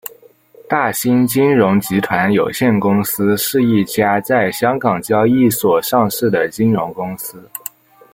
大新金融集团有限公司是一家在香港交易所上市的金融公司。